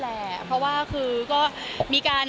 แล้วก็ทราบจะดีไหมครับ